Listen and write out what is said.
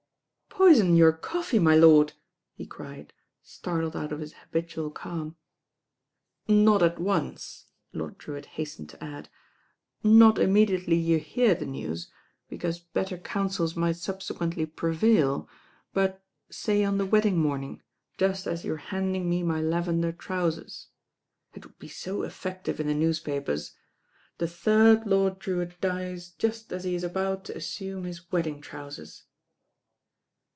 "Poison your coffee, my lordl" he cried, startled out of his habitual calm. "Not at once," Lord Drewitt hastened to add. "Not immediately you hear the news, because bet ter councils might subsequently prevail; but say on the wedding morning, just as you are handing me my lavender trousers. It would be so effective in the newspapers. The third Lord Drewitt dies just as he is about to assume his wedding trousers.'